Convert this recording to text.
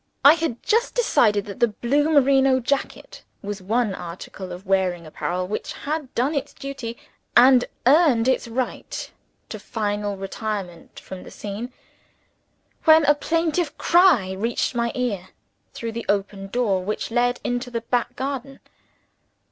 I had just decided that the blue merino jacket was an article of wearing apparel which had done its duty, and earned its right to final retirement from the scene when a plaintive cry reached my ear, through the open door which led into the back garden.